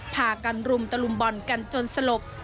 พากันรุมตะลุมบ่อนกันจนสลบ